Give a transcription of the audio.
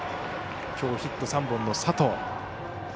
きょうヒット３本の佐藤。